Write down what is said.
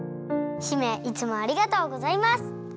姫いつもありがとうございます！